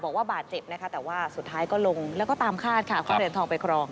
บอกว่าบาทเจ็บแต่สุดท้ายก็ลงตามคาดเพราะเป็นเหรียญทองไปครอง